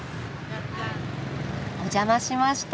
お邪魔しました。